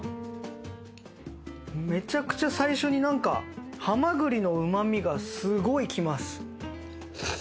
めちゃくちゃ最初になんかハマグリのうまみがすごいきます。